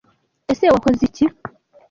Ese Wakoze iki?